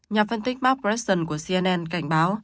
nhà phân tích mark bresson của cnn cảnh báo